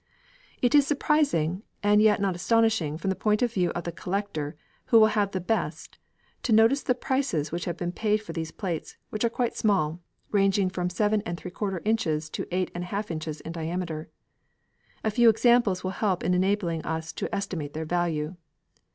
It is surprising, and yet not astonishing from the point of view of the collector who will have the best, to notice the prices which have been paid for these plates, which are quite small, ranging from 7┬Š in. to 8┬Į in. diameter. A few examples will help in enabling us to estimate their value.